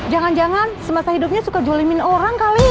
jangan jangan semasa hidupnya suka jolimin orang kali ya